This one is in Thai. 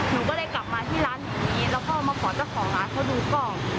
หนูก็เลยกลับมาที่ร้านแห่งนี้แล้วก็มาขอเจ้าของร้านเขาดูกล่อง